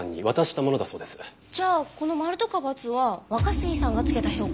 じゃあこのマルとかバツは若杉さんがつけた評価。